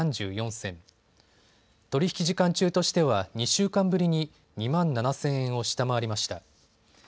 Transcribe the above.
取り引き時間中としては２週間ぶりに２万７０００円を下回りました。